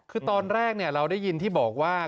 คือตอนแรกเราได้ยินที่บอกว่า